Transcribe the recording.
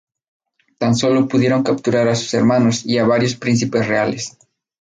Tan solo pudieron capturar a sus hermanos y a varios príncipes reales.